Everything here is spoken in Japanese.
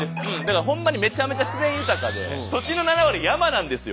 ほんまにめちゃめちゃ自然豊かで土地の７割山なんですよ